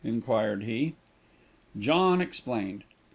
inquired he. John explained.